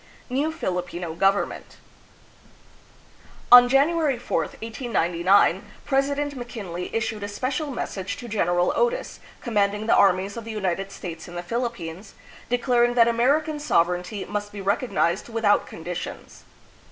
New Filipino Government. On January 4, 1899, President McKin ley issued a spe cial message to General Otis, com manding the armies of the United States in the Philippines, declaring that American sover eignty must be recognized without conditions.